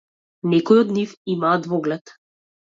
Некои од нив имаа двоглед.